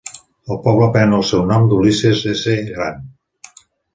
El poble pren el seu nom d'Ulysses S. Grant.